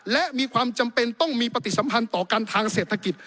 และมีความจำเป็นต้องมีปฏิสัมพันธ์ต่อกันทางเศรษฐกิจ